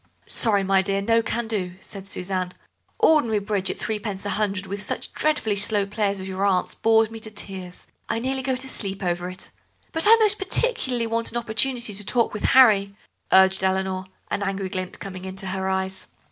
"Sorry, my dear, no can do," said Suzanne; "ordinary bridge at three pence a hundred, with such dreadfully slow players as your aunts, bores me to tears. I nearly go to sleep over it." "But I most particularly want an opportunity to talk with Harry," urged Eleanor, an angry glint coming into her eyes.